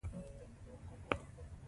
زه له تعلیم سره ژوره مینه لرم.